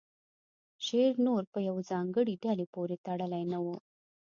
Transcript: شعر نور په یوې ځانګړې ډلې پورې تړلی نه و